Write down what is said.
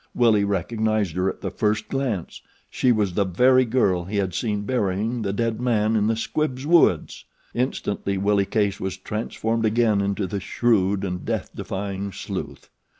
Willie recognized her at the first glance she was the very girl he had seen burying the dead man in the Squibbs woods. Instantly Willie Case was transformed again into the shrewd and death defying sleuth.